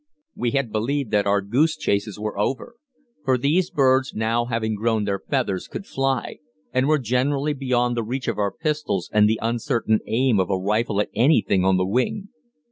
We had believed that our goose chases were over; for these birds now having grown their feathers, could fly, and were generally beyond the reach of our pistols and the uncertain aim of a rifle at anything on the wing.